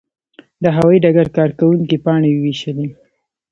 د هوايي ډګر کارکوونکي پاڼې وویشلې.